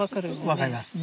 分かります。